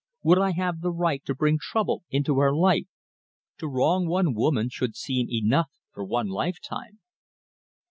Would I have the right to bring trouble into her life? To wrong one woman should seem enough for one lifetime!"